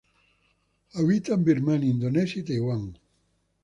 Habita en Birmania, Indonesia y Taiwán.